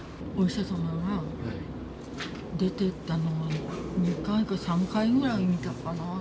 お医者様が出てったのを２回か３回ぐらい見たかな。